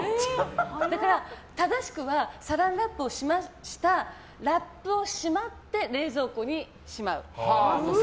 だから、正しくはサランラップをしましたラップをしまって冷蔵庫にしまう。